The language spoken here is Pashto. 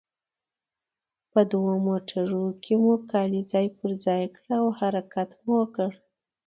په دوو موټرونو کې مو کالي ځای پر ځای کړل او حرکت مو وکړ.